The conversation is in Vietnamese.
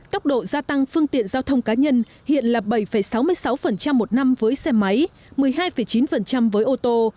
tốc độ gia tăng phương tiện giao thông cá nhân hiện là bảy sáu mươi sáu một năm với xe máy một mươi hai chín với ô tô